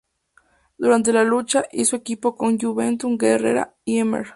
Durante la lucha, hizo equipo con Juventud Guerrera y Mr.